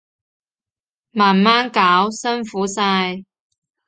慢慢搞，辛苦晒